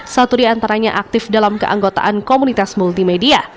satu di antaranya aktif dalam keanggotaan komunitas multimedia